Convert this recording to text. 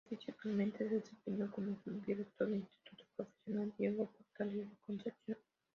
Profesionalmente, se desempeñó como subdirector del Instituto Profesional Diego Portales de Concepción.